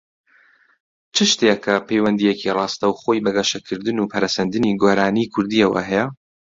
چ شتێکە پەیوەندییەکی ڕاستەوخۆی بە گەشەکردن و پەرەسەندنی گۆرانیی کوردییەوە هەیە؟